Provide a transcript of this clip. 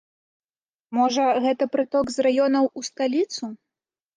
Можа, гэта прыток з раёнаў у сталіцу?